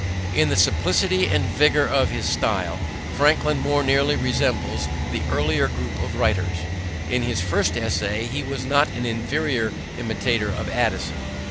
In the simplicity and vigor of his style Franklin more nearly resembles the earlier group of writers. In his first essays he was not an inferior imitator of Addison.